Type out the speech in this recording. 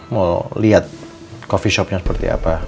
mau lihat coffee shopnya seperti apa